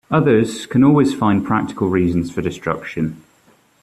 Others can always find practical reasons for destruction.